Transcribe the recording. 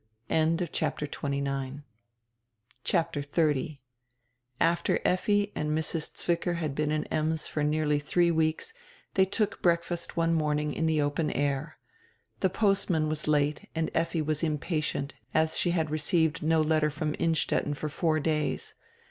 CHAPTER XXX [AFTER Effi and Mrs. Zwicker had been in Ems for nearly three weeks they took breakfast one morning in the open air. The postman was late and Effi was impatient, as she had received no letter from Innstetten for four days.